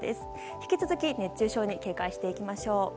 引き続き熱中症に警戒していきましょう。